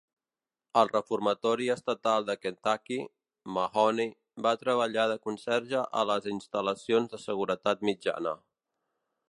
Al Reformatori Estatal de Kentucky, Mahoney va treballar de conserge a les instal·lacions de seguretat mitjana.